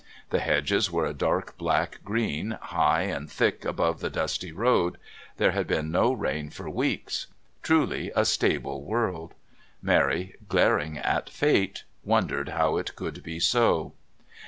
The hedges were a dark black green, high and thick above the dusty road; there had been no rain for weeks. Truly a stable world. Mary, glaring at Fate, wondered how it could be so.